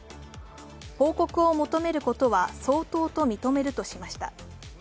報告を求めることは相当と認めるとしました。